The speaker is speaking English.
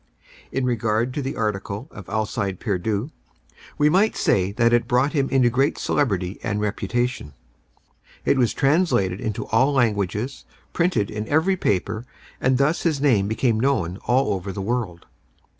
In regard to the article of Alcide Pierdeux, we might say that it brought him into great celebrity and reputation. It was translated into all languages, printed in every paper, and thus his name became known all over the world.